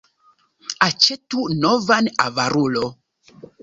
Aĉetu novan, avarulo!